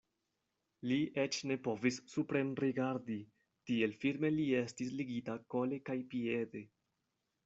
Li eĉ ne povis suprenrigardi, tiel firme li estis ligita kole kaj piede.